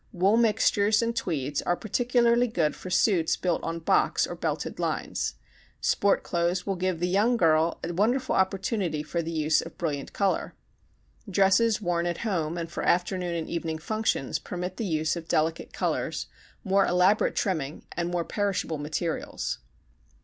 Wool mixtures and tweeds are particularly good for suits built on box or belted lines. Sport clothes will give the young girl a wonderful opportunity for the use of brilliant color. Dresses worn at home and for afternoon and evening functions permit the use of delicate colors, more elaborate trimming, and more perishable materials.